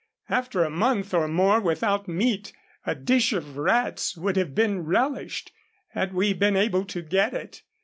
After a month or more without meat a dish of rats would have been relished, had we been able to get it.